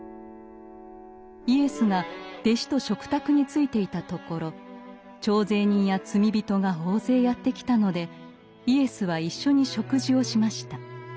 イエスが弟子と食卓についていたところ徴税人や罪人が大勢やって来たのでイエスは一緒に食事をしました。